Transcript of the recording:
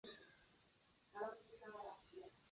首府纳里扬马尔。